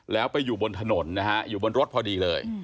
แล้วไปอยู่บนถนนนะฮะอยู่บนรถพอดีเลย